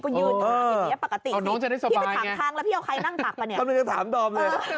ก็ยืนเหมือนที่นี้ปกติสิ